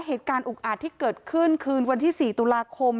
เหตุการณ์อุกอาจที่เกิดขึ้นคืนวันที่๔ตุลาคม